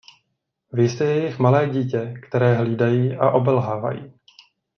Vy jste jejich malé dítě, které hlídají a obelhávají.